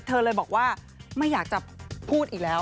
เธอเลยบอกว่าไม่อยากจะพูดอีกแล้ว